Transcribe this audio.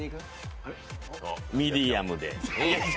ミディアムで。